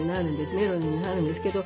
メロディーになるんですけど。